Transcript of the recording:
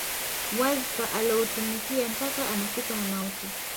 Wadhifa alioutumikia mpaka anafikwa na mauti